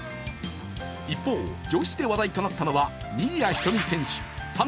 一方、女子で話題となったのは新谷仁美選手